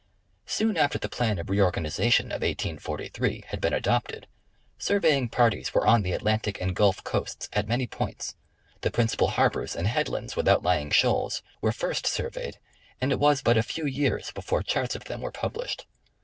Soon after the plan of reorganization of 1843 had been adopted, surveying parties were on the Atlantic and Gulf coasts at many jDoints; the princi pal harbors and headlands with outlying shoals were first sur veyed and it was but a few years before charts of them were pub lished.